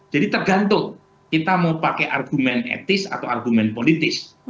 jadi tergantung kita mau pakai argumen etis atau argumen politis